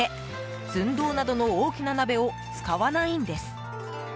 寸胴などの大きな鍋を使わないんです。